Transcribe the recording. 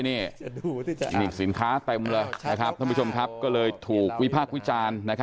นี่สินค้าเต็มเรือท่านผู้ชมครับก็เลยถูกวิภาควิจารณ์